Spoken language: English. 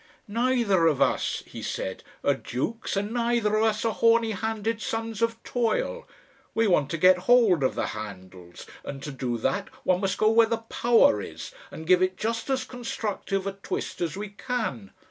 "Neither of us," he said, "are dukes, and neither of us are horny handed sons of toil. We want to get hold of the handles, and to do that, one must go where the power is, and give it just as constructive a twist as we can.